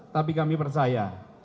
tapi kami percaya